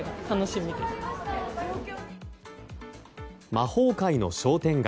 魔法界の商店街